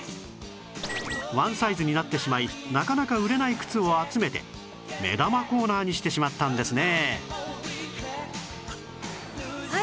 ワンサイズになってしまいなかなか売れない靴を集めて目玉コーナーにしてしまったんですね